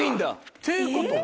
っていうことは？